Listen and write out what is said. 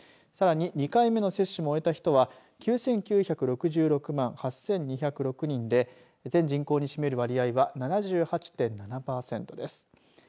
さらに２回目の接種も終えた人は９９６６万８２０６人で全人口に占める割合は７８．７パーセントです。